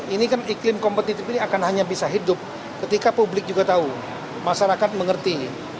ini kan iklim kompetitif ini akan hanya bisa hidup ketika publik juga tahu masyarakat mengerti